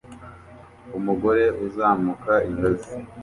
Umugore uzamuka ingazi